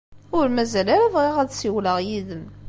Ur mazal ara bɣiɣ ad ssiwleɣ yid-m.